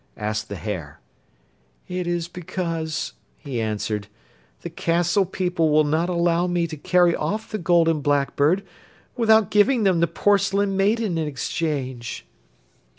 asked the hare. 'It is because,' he answered, 'the castle people will not allow me to carry off the Golden Blackbird without giving them the Porcelain Maiden in exchange.